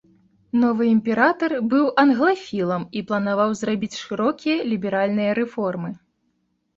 Новы імператар, быў англафілам і планаваў зрабіць шырокія ліберальныя рэформы.